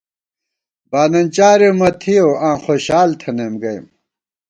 باننچارےمہ تھِیَؤ آں خوشال تھنَئیم گَئیم